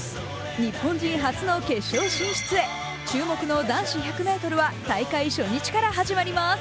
日本人初の決勝進出へ注目の男子１００ｍは大会初日から始まります。